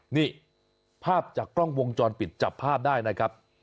นี่ภาพจากกล้องวงจรปิดจับภาพได้นะครับ